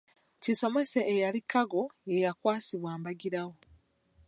Kisomose eyali Kaggo ye yakwasibwa Mbagambira.